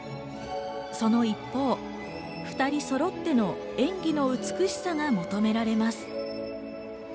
その一方、２人そろっての演技の美しさが求められます。